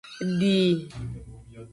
Di.